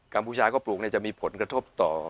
พูชาก็ปลูกจะมีผลกระทบต่อ